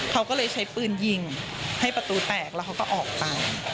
เขาก็เลยใช้ปืนยิงให้ประตูแตกแล้วเขาก็ออกไป